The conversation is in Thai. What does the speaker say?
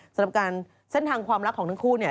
สำหรับการเส้นทางความรักของทั้งคู่เนี่ย